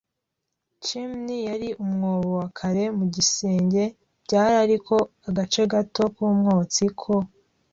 chimney yari umwobo wa kare mu gisenge; byari ariko agace gato k'umwotsi ko